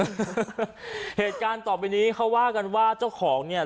เหตุการณ์ต่อไปนี้เขาว่ากันว่าเจ้าของเนี่ย